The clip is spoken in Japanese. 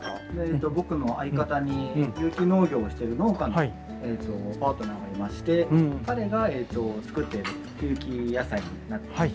僕の相方に有機農業をしてる農家のパートナーがいまして彼が作ってる有機野菜になってます。